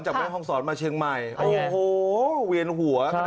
แม่ห้องศรมาเชียงใหม่โอ้โหเวียนหัว